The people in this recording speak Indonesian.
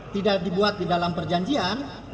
tidak dibuat di dalam perjanjian